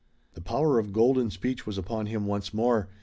The power of golden speech was upon him once more.